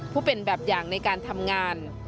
เป็นแบบอย่างในการทำงาน